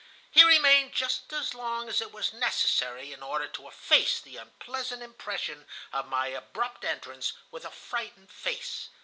He remained just as long as it was necessary in order to efface the unpleasant impression of my abrupt entrance with a frightened face.